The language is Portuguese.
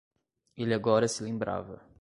Ele agora se lembrava